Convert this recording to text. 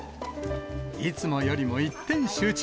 いつもよりも一点集中。